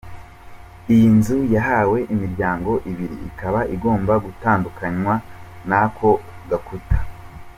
Iyi nzu yahawe imiryango ibiri ikaba igomba gutandukanywa n’ako gakuta.